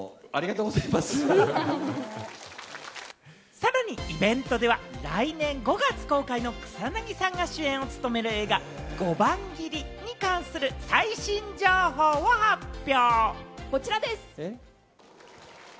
さらにイベントでは来年５月公開の草なぎさんが主演を務める映画『碁盤斬り』に関する最新情報を発表。